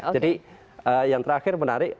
jadi yang terakhir menarik